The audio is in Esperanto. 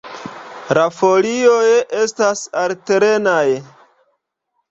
La folioj estas alternaj.